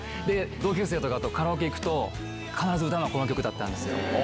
同級生とかとカラオケ行くと、必ず歌うのがこの曲だったんですよ。